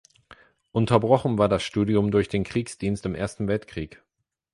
Unterbrochen war das Studium durch den Kriegsdienst im Ersten Weltkrieg.